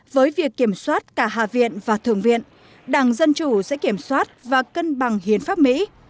với việc kiểm soát cả hạ viện và thượng viện đảng dân chủ sẽ kiểm soát và cân bằng hiến pháp mỹ